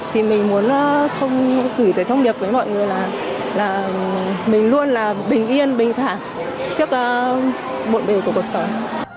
thì mình muốn gửi tới thông nghiệp với mọi người là mình luôn là bình yên bình thẳng trước một bề của cuộc sống